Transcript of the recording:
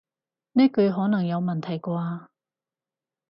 呢句可能有問題啩